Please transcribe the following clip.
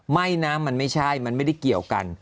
ไม่นะมันไม่ใช่มันไม่ได้เกี่ยวกัน